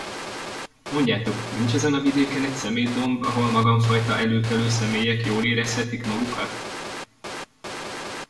Mondjátok, nincs ezen a vidéken egy szemétdomb, ahol magamfajta előkelő személyek jól érezhetik magukat?